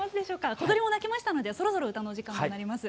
小鳥も鳴きましたのでそろそろ歌のお時間となります。